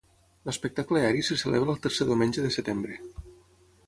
L'espectacle aeri se celebra el tercer diumenge de setembre.